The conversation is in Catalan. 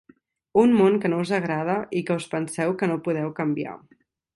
Un món que no us agrada i que us penseu que no podeu canviar.